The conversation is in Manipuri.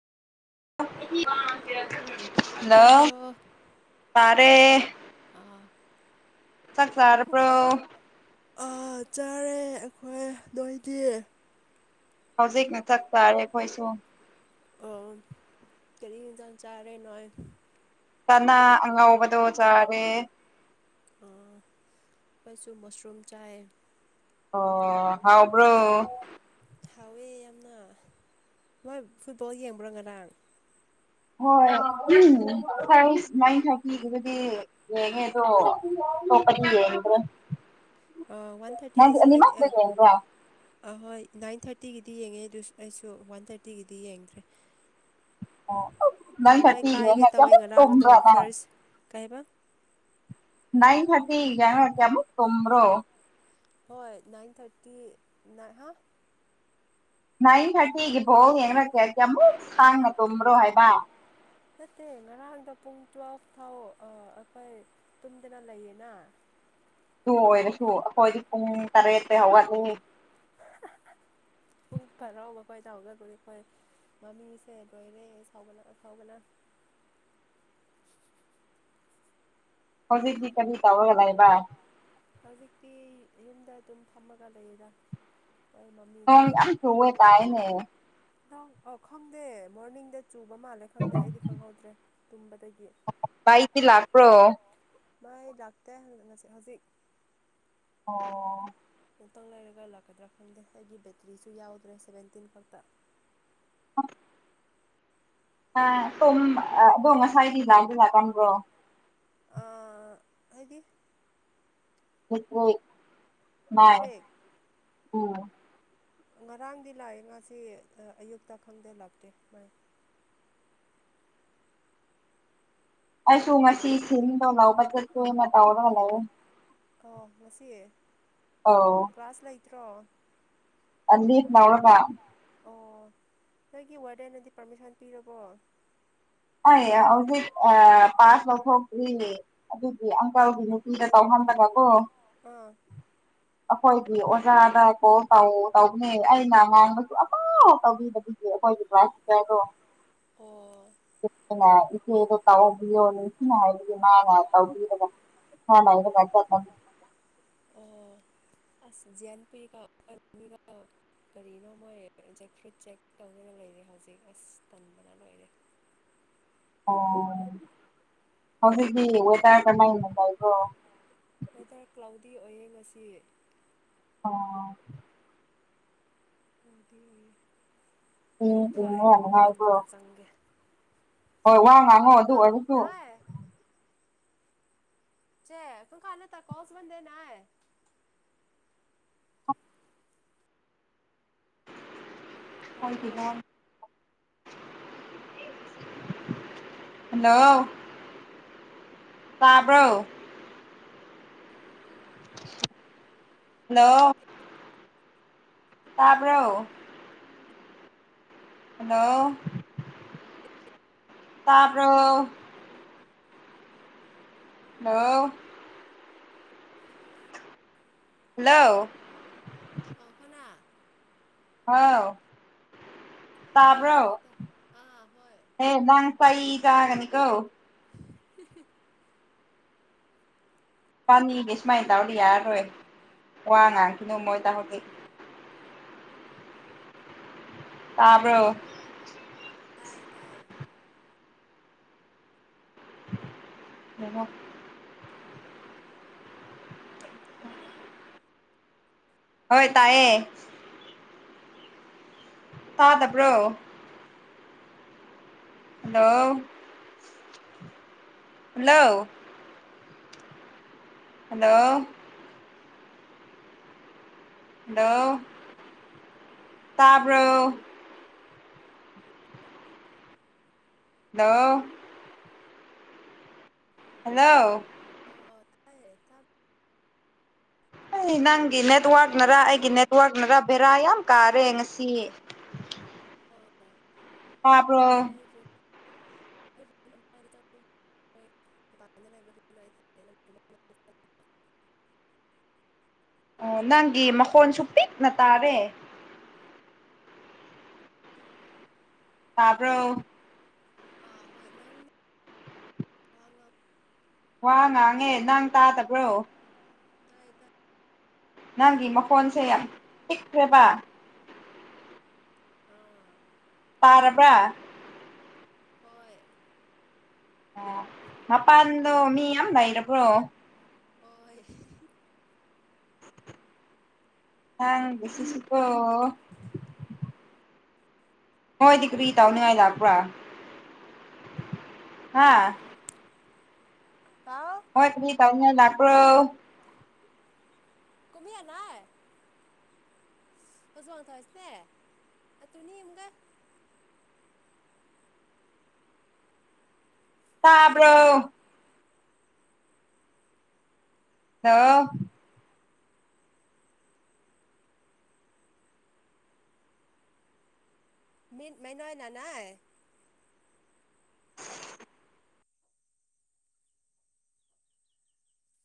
ꯋꯥ ꯍꯜꯂꯣ ꯇꯄꯔ ꯇꯥꯔꯦ ꯑ ꯆꯥꯛꯁꯔ ꯑ꯭ꯔꯣ ꯑꯥ ꯆꯥꯔꯦ ꯑꯩꯈꯣꯏ ꯅꯣꯏꯗꯤ ꯍꯧꯖꯤꯛꯅ ꯆꯠꯇꯥꯥꯔꯦ ꯑꯩꯈꯣꯏꯁꯨ ꯑꯣ ꯀꯔꯤ ꯍꯖꯥꯟ ꯆꯥꯔꯦ ꯅꯣꯏ ꯇꯅ ꯑꯕꯗꯨꯣ ꯆꯔꯦ ꯀꯣꯏꯁꯨ ꯃꯁꯔꯨꯝ ꯆꯥꯏ ꯑꯣ ꯍꯥꯎꯕ꯭ꯔꯣ ꯍꯥꯎꯋꯦ ꯌꯥꯝꯅ ꯍꯣꯏ ꯐꯨꯠꯕꯣꯜ ꯌꯦꯡꯕ꯭ꯔꯣ ꯉꯔꯥꯡ ꯍꯣꯏ ꯎ ꯑꯩ ꯁꯨꯃꯥꯏꯅ ꯊꯥꯕꯤꯈꯤꯕꯕꯨꯗꯤ ꯌꯦꯒꯦꯣ ꯊꯣꯄꯅꯤ ꯏꯇ꯭ꯔꯣ ꯑ ꯋꯥꯟ ꯊꯥꯔꯇꯤꯒꯤꯁꯨ ꯍꯥꯏꯗꯤ ꯌꯦꯡꯕ꯭ꯔꯥ ꯑꯍꯣꯏ ꯅꯥꯏꯟ ꯊꯥꯔꯇꯤꯒꯤꯗꯤ ꯌꯦꯡꯉꯦ ꯑꯗꯨ ꯑꯩꯁꯨ ꯋꯥꯟ ꯊꯥꯔꯇꯤꯒꯤꯗꯤ ꯌꯦꯡꯗ꯭ꯔꯦ ꯑꯣ ꯅꯥꯏꯟ ꯊꯝꯃꯣꯏ ꯊꯥꯔꯇꯤꯒꯤ ꯀꯥꯏꯒꯦ ꯌꯦꯡꯉ ꯇꯧꯋꯦ ꯀꯌꯥꯃꯨꯛ ꯉꯔꯥꯡꯗꯣ ꯇꯨꯝꯕ꯭ꯔꯥ ꯅꯪ ꯐꯥꯔꯁ ꯀꯥꯏꯕ ꯅꯥꯏ ꯍꯥꯗꯤꯤ ꯀꯣ ꯀꯦꯃꯣ ꯇꯣꯃ꯭ꯔꯣ ꯍꯣꯏ ꯅꯥꯏꯟ ꯊꯥꯔꯇꯤ ꯍꯥ ꯅꯥꯏꯟ ꯊꯥꯔꯇꯤꯒꯤꯐꯣ ꯌꯦꯡꯉ ꯀꯦ ꯍꯥꯏꯦ ꯑꯃꯨꯛ ꯁꯥꯡꯅ ꯇꯨꯝꯕ꯭ꯔꯣ ꯍꯥꯏꯕ ꯅꯠꯇꯦ ꯉꯔꯥꯡꯗ ꯄꯨꯡ ꯇꯔꯨ ꯐꯥꯎ ꯑꯩꯈꯣꯏ ꯇꯨꯝꯗꯅ ꯂꯩꯌꯦꯅ ꯑꯗꯨ ꯑꯣꯏꯔꯁꯨ ꯑꯩꯈꯣꯏꯗꯤ ꯄꯨꯡ ꯇꯔꯦꯇꯩ ꯍꯧꯒꯠꯂꯤ ꯄꯨꯡ ꯐꯔꯥꯎ ꯃꯈ ꯑꯩꯈꯣꯏ ꯆꯥꯎꯒꯄꯅꯤ ꯑꯩꯈꯣꯏ ꯃꯃꯤꯁꯦ ꯂꯣꯏꯔꯦ ꯁꯥꯎꯕꯅ ꯑꯁꯥꯎꯕꯅ ꯍꯧꯖꯤꯛꯇꯤ ꯀꯔꯤ ꯇꯧꯔꯒꯗꯥꯏꯕ ꯍꯧꯖꯤꯛꯇꯤ ꯌꯨꯝꯗ ꯑꯗꯨꯝ ꯐꯝꯃꯒ ꯂꯩꯌꯦꯗ ꯑꯩꯈꯣꯏ ꯍ ꯌꯥꯝ ꯊꯦ ꯇꯥꯏꯅꯦ ꯑ ꯈꯪꯗꯦ ꯃꯣꯔꯅꯤꯡꯗ ꯆꯨꯕ ꯃꯥꯜꯂꯦ ꯈꯪꯗꯦ ꯑꯩꯗꯤ ꯈꯪꯍꯧꯗ꯭ꯔꯦ ꯇꯨꯝꯕꯗꯒꯤ ꯂꯥꯏꯠꯇꯤ ꯂꯥꯛꯄ꯭ꯔꯣ ꯥꯛꯄ꯭ꯔꯣ ꯃꯥꯏ ꯂꯥꯛꯇ ꯉꯁꯤ ꯍꯧꯖꯤꯛ ꯑꯣ ꯉꯨꯇꯪ ꯂꯩꯔꯒ ꯂꯥꯛꯀꯗ꯭ꯔꯥ ꯈꯪꯗꯦ ꯑꯩꯒꯤ ꯕꯦꯇ꯭ꯔꯤꯁꯨ ꯌꯥꯎꯗ꯭ꯔꯦ ꯁꯚꯦꯟꯇꯤꯟ ꯈꯛꯇ ꯑ ꯑ ꯇꯨꯝ ꯑꯗꯣ ꯉꯁꯥꯏꯗꯤ ꯂꯥꯟꯗꯨ ꯂꯥꯛꯀꯟꯕ꯭ꯔꯣ ꯑ ꯍꯥꯏꯗꯤ ꯃꯤꯇ꯭ꯔꯦꯛ [unintelligible] ꯉꯔꯥꯡꯗꯤ ꯂꯥꯛꯑꯦ ꯉꯥꯁꯤ ꯑꯌꯨꯛꯇ ꯈꯪꯗ ꯂꯥꯛꯇꯦ ꯃꯥꯥꯏ ꯑꯩꯁꯨ ꯃ ꯁꯤ ꯇꯧ ꯂꯥꯎ ꯊꯅ ꯇꯧꯔꯂ ꯑ ꯉꯁꯤ ꯑꯧ ꯀ꯭ꯂꯥꯁ ꯂꯩꯇ꯭ꯔꯣ ꯑꯅꯤ ꯂꯧꯔꯕ ꯑꯣ ꯅꯣꯏꯒꯤ ꯋꯥꯔꯗꯔꯟꯅꯗꯤ ꯄꯥꯔꯃꯤꯁꯟ ꯄꯤꯔꯕꯣ ꯑ ꯍꯧꯖꯤꯛ ꯄꯥꯁ ꯂꯣꯛ ꯑꯗꯨꯗꯤ ꯑꯪꯀꯜꯒꯤ ꯅꯨꯄꯤꯗ ꯇꯧꯍꯟꯂꯒ ꯀꯣ ꯑꯥ ꯑꯩꯈꯣꯏꯒꯤ ꯑꯣꯖꯥꯗ ꯀꯣꯜ ꯇꯧꯕꯅꯦ ꯑꯩꯅ ꯉꯥꯡꯕꯁꯨ ꯑꯐ ꯇꯧꯕꯤꯕ ꯑꯩꯈꯣꯏꯒꯤ ꯗꯣ ꯑꯣ ꯏꯆꯦꯗꯣ ꯇꯧꯍꯕꯤꯌꯣ ꯅꯤꯡꯁꯤꯅ ꯍꯥꯏꯕꯒꯤ ꯃꯥꯅ ꯇꯧꯕꯤꯔꯒ [unintelligible] ꯑꯣ ꯑꯁ ꯌꯥꯟ ꯄꯀꯒ ꯀꯔꯤꯅꯣ ꯃꯣꯏ ꯖꯦꯛ ꯐ꯭ꯔꯨꯠ ꯆꯦꯛ ꯇꯧꯒꯦꯅ ꯂꯩꯔꯤ ꯍꯧꯖꯤꯛ ꯑꯁ ꯇꯟꯕꯅ ꯂꯣꯏꯔꯦ ꯑꯣ ꯍꯧꯖꯤꯛꯇꯤ ꯋꯦꯗꯔ ꯀꯃꯥꯏꯅꯣꯗꯥꯕ꯭ꯔꯣ ꯋꯦꯗꯔ ꯀ꯭ꯂꯥꯎꯗꯤ ꯑꯣꯏꯌꯦ ꯉꯁꯤ ꯑꯣ ꯍꯗꯤ ꯑꯣꯏꯌꯦ ꯏꯪ ꯍꯥꯏꯈꯣꯛꯀ ꯏꯪꯕ꯭ꯔꯥ ꯑꯩ ꯔꯨꯝꯗ ꯅꯨꯡꯉꯥꯏꯕ꯭ꯔꯣ ꯑꯃꯇ ꯆꯪꯒꯦ ꯍꯣꯏ ꯋꯥ ꯉꯥꯡꯉꯣ ꯑꯗꯨ ꯍꯥꯎ ꯑꯣꯏꯔꯁꯨ ꯅꯥꯏ ꯆꯦ ꯀꯨꯪ ꯈꯂ ꯇ ꯀꯣꯁꯕꯗꯦꯅꯥ ꯇꯥꯕ꯭ꯔꯣ [unintelligible] ꯍꯜꯂꯣ ꯇꯥꯕ꯭ꯔꯣ ꯍꯜꯂꯣ ꯇꯥꯔꯕꯣ ꯍꯜꯂꯣ ꯇꯥꯔꯕꯣ ꯍꯂꯣ ꯍꯜꯂꯣ [unintelligible] ꯍꯥꯎ ꯇꯥꯕ꯭ꯔꯣ ꯇꯥꯏ ꯇꯥꯏ ꯑꯥ ꯍꯣꯏ ꯑꯦ ꯅꯪ ꯆꯩ ꯆꯒꯅꯤ ꯀꯣ [inaudible] ꯄꯥꯅꯤꯒꯤ ꯁꯨꯃꯥꯏꯅ ꯇꯧꯍꯗꯤ ꯌꯥꯔꯔꯣꯏ ꯋꯥ ꯉꯥꯡꯈꯤꯅꯨ ꯃꯣꯏ ꯇꯥꯍꯗꯤ ꯇꯥꯕ꯭ꯔꯣ ꯇꯥꯏꯌꯦ ꯇꯌꯦ [unintelligible] ꯍꯜꯂꯣ ꯍꯣꯏ ꯇꯥꯏꯌꯦ ꯇꯥꯗꯕꯔꯣ ꯍꯜꯂꯣ ꯍꯜꯂꯣ ꯍꯜꯂꯣ ꯍꯜꯂꯣ ꯇꯥꯕ꯭ꯔꯣ [inaudible] ꯍꯜꯂꯣ ꯍꯜꯂꯣ ꯑꯣ ꯑꯣ ꯇꯥꯏꯌꯦ ꯇꯥ ꯅꯪꯒꯤ ꯅꯦꯠꯋꯥꯥꯛꯛꯅꯔ ꯑꯩꯒꯤ ꯅꯦꯠꯋꯥꯥꯛꯛꯅꯔ ꯕꯦꯔꯥ ꯌꯥꯝ ꯀꯥꯔꯦ ꯉꯁꯤ ꯇꯥꯕ꯭ꯔꯣ [unintelligible] [unintelligible] ꯆꯪ ꯑꯣ ꯅꯪꯒꯤ ꯃꯈꯣꯟꯁꯨ ꯄꯤꯛꯅ ꯇꯥꯔꯦ ꯇꯥꯕ꯭ꯔꯣ ꯑꯥ ꯍꯣꯏ ꯅꯪ ꯋꯥ ꯉꯥꯡꯉꯦ ꯅꯪ ꯇꯥꯗꯕ꯭ꯔꯣ ꯇꯥꯏ ꯇ ꯅꯪꯒꯤ ꯃꯈꯣꯟꯁꯦ ꯌꯥꯝ ꯄꯤꯛꯈ꯭ꯔꯦꯕ ꯑ ꯄꯥꯔꯔꯕ꯭ꯔ ꯍꯣꯏ ꯑ ꯃꯄꯥꯟꯗꯣ ꯃꯤ ꯌꯥꯝ ꯂꯩꯔꯕ꯭ꯔꯣ ꯍꯣꯏ ꯍꯥꯡꯁꯤꯁꯨꯄ ꯍꯣꯏꯇ ꯀ꯭ꯔꯔꯤ ꯇꯅꯤ ꯍꯥꯏꯣꯏꯗ ꯄꯨ꯭ꯔ ꯍꯥꯥ ꯀꯥꯎ ꯍꯣꯏ ꯇꯅ ꯂꯥꯛꯔꯣ ꯀꯨꯝꯃꯤ ꯌꯥ ꯅꯥꯏ ꯐꯖ ꯋꯥꯡ ꯊꯁꯤꯅꯦ ꯑꯗꯨꯅꯤ ꯑꯃꯨꯒ ꯇꯥꯕ꯭ꯔꯣ ꯍꯥꯎ ꯃꯤ ꯃꯅꯣꯣꯏꯅꯅꯥ